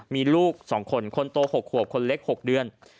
มีลูก๒คนคนโต๖ขวบคนเล็ก๖เดือน